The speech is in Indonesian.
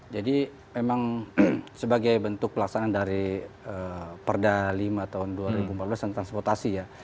jadi memang sebagai bentuk pelaksanaan dari perda lima tahun dua ribu empat belas transportasi ya